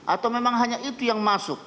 atau memang hanya itu yang masuk